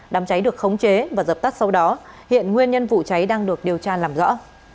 đám cháy được khống chế và dập tắt sau đó hiện nguyên nhân vụ cháy đang được điều tra làm rõ